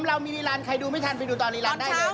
เรามีรีลันใครดูไม่ทันไปดูตอนรีลันได้เลยนะครับ